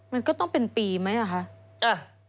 มันก็ต้องเป็นปีไหมอ่ะคะ